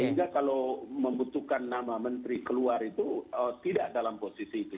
sehingga kalau membutuhkan nama menteri keluar itu tidak dalam posisi itu